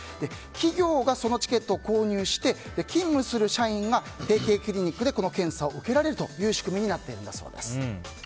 企業がそのチケットを購入して勤務する社員が提携クリニックでこの検査を受けられるという仕組みになっているんだそうです。